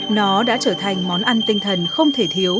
nó đã trở thành món ăn tinh thần không thể thiếu